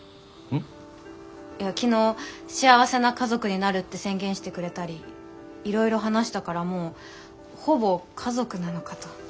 いや昨日幸せな家族になるって宣言してくれたりいろいろ話したからもうほぼ家族なのかと。